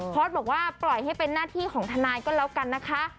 พอสบอกว่าปล่อยให้เป็นหน้าที่ของทนายก็แล้วกันนะคะ